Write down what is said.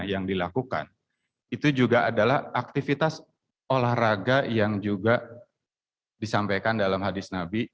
yang dilakukan itu juga adalah aktivitas olahraga yang juga disampaikan dalam hadis nabi